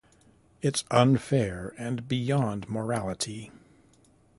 It’s unfair and beyond morality.